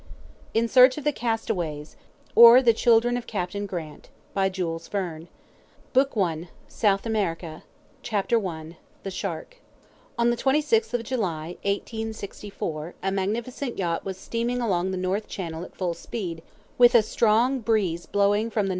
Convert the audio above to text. IN SEARCH OF THE CASTAWAYS or THE CHILDREN OF CAPTAIN GRANT SOUTH AMERICA CHAPTER I THE SHARK ON the 26th of July, 1864, a magnificent yacht was steaming along the North Channel at full speed, with a strong breeze blowing from the N.